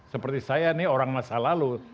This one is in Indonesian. seperti saya ini orang masa lalu